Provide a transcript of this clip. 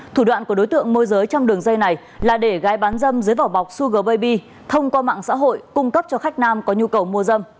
thủ đoạn của đối tượng môi giới trong đường dây này là để gái bán dâm dưới vỏ bọc sugerbaibi thông qua mạng xã hội cung cấp cho khách nam có nhu cầu mua dâm